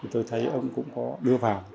tôi thấy ông cũng có đưa vào